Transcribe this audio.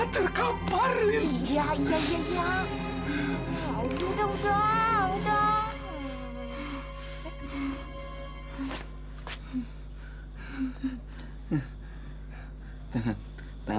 aduh udah udah